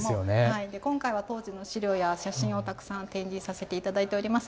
今回は当時の資料や写真をたくさん展示させていただいております。